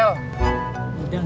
alhamdulillah udah gak rewel